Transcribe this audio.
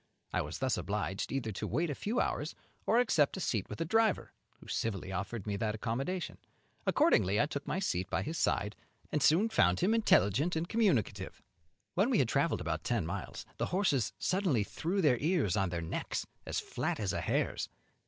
I was thus obliged either to wait a few hours or accept a seat with the driver, who civilly offered me that accommodation. Accordingly I took my seat by his side, and soon found him intelligent and communicative. When we had travelled about ten miles, the horses suddenly threw their ears on their necks, as flat as a hare's.